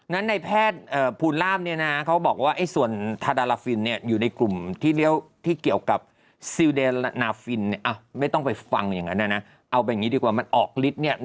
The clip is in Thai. ในแพทย์ภูลร่ามเนี่ยนะเขาบอกว่าส่วนทาดาลาฟิลเนี่ย